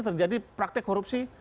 terjadi praktek korupsi